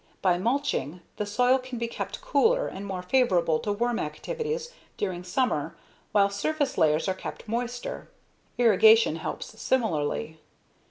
By mulching, the soil can be kept cooler and more favorable to worm activities during summer while surface layers are kept moister. Irrigation helps similarly.